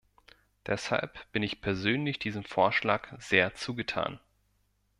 Deshalb bin ich persönlich diesem Vorschlag sehr zugetan.